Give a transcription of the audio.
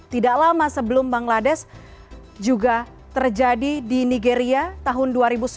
tidak lama sebelum bangladesh juga terjadi di nigeria tahun dua ribu sembilan